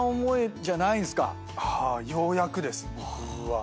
ようやくです僕は。